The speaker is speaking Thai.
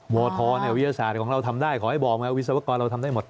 วธวิทยาศาสตร์ของเราทำได้ขอให้บอกวิศวกรเราทำได้หมด